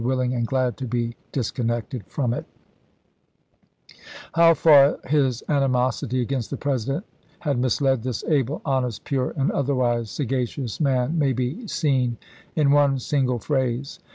willing and glad to be disconnected from it." THE KESIGNATION OF ME. CHASE 103 How far his animosity against the President had misled this able, honest, pure, and otherwise sa gacious man may be seen in one single phrase.